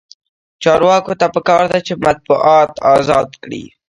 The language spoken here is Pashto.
چارواکو ته پکار ده چې، مطبوعات ازاد کړي.